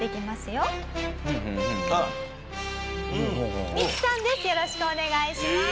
よろしくお願いします。